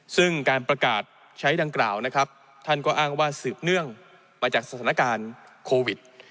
ซึ่งการประกาศใช้ดังกล่าวนะครับท่านก็อ้างว่าสืบเนื่องมาจากสถานการณ์โควิด